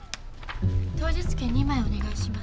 当日券２枚お願いします。